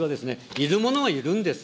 いるものはいるんです。